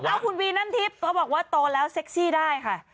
เอาคุณวีน้ำทิพย์เขาบอกว่าโตแล้วเซ็กซี่ได้ค่ะ